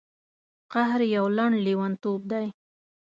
قهر یو لنډ لیونتوب دی.